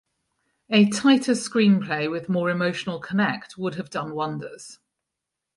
A tighter screenplay with more emotional connect would have done wonders.